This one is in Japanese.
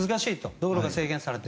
道路が制限されて。